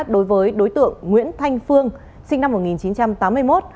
đối với đối tượng nguyễn thanh phương sinh năm một nghìn chín trăm tám mươi một